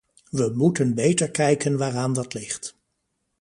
We moeten beter kijken waaraan dat ligt.